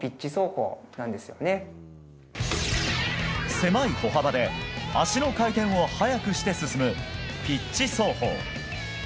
狭い歩幅で足の回転を速くして進むピッチ走法。